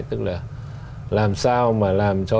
tức là làm sao mà làm cho